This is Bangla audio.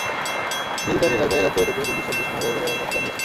বিলজানি এলাকায় রাতে দুটি গুলির শব্দ শোনা যায় বলে এলাকাবাসী জানিয়েছেন।